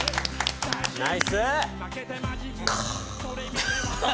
ナイス！